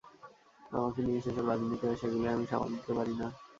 আমাকে নিয়ে যেসব রাজনীতি হয়, সেগুলোই আমি সামাল দিতে পারি না।